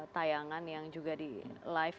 tayangan yang juga di live